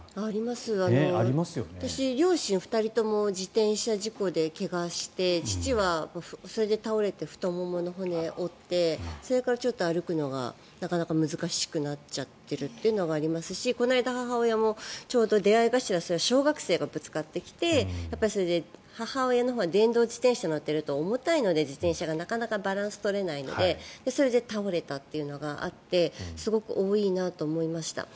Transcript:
私、両親２人とも自転車事故で怪我して父は、それで倒れて太ももの骨を折ってそれからちょっと歩くのがなかなか難しくなっちゃっているというのがありますしこの間母親もちょうど出合い頭で小学生がぶつかってきて母親のほうは電動自転車に乗っていると重たいので自転車がなかなかバランスが取れないのでそれで倒れたというのがあってすごく多いなと思いました。